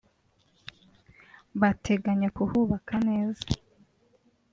bateganya kuhubaka neza